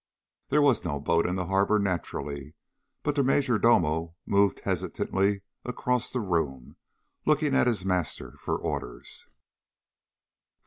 There was no boat in the harbor, naturally. But the major domo moved hesitantly across the room, looking at his master for orders.